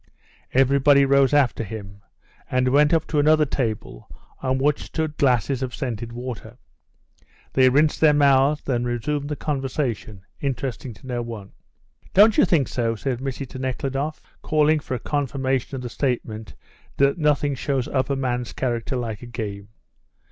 Everybody rose after him, and went up to another table on which stood glasses of scented water. They rinsed their mouths, then resumed the conversation, interesting to no one. "Don't you think so?" said Missy to Nekhludoff, calling for a confirmation of the statement that nothing shows up a man's character like a game.